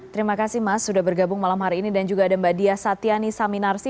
terima kasih mas sudah bergabung malam hari ini dan juga ada mbak dias satyani saminarsi